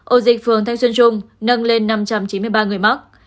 ổ dịch phường thanh xuân trung nâng lên năm trăm chín mươi ba người mắc